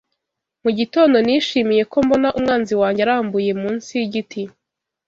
Mugitondo nishimiye ko mbona umwanzi wanjye arambuye munsi yigiti